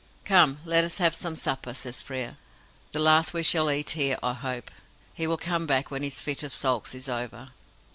"Come, let us have some supper," says Frere. "The last we shall eat here, I hope. He will come back when his fit of sulks is over."